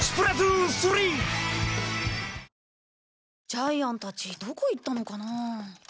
ジャイアンたちどこ行ったのかな？